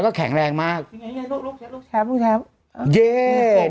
พี่ปั๊ดเดี๋ยวมาที่ร้องให้